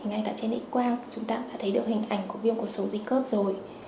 ngay cả trên định quang chúng ta đã thấy được hình ảnh của viêm cột sống dinh khớp rồi